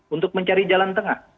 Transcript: untuk mencari jalan tengah